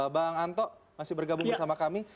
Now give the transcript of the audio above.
bang anto masih bergabung bersama kami